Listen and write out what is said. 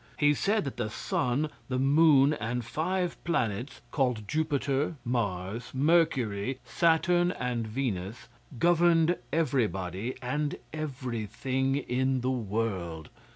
He said that the sun, the moon, and five Planets, called Jupiter, Mars, Mercury, Saturn, and Venus, governed everybody and everything in the world.